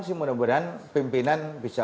sih mudah mudahan pimpinan bisa